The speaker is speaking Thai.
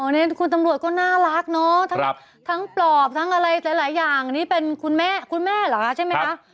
นี่คุณตำรวจก็น่ารักเนาะทั้งปลอบทั้งอะไรหลายอย่างนี่เป็นคุณแม่คุณแม่เหรอคะใช่ไหมคะ